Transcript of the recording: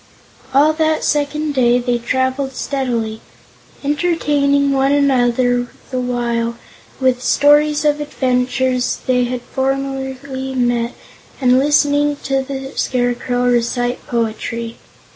All that second day they traveled steadily, entertaining one another the while with stories of adventures they had formerly met and listening to the Scarecrow recite poetry.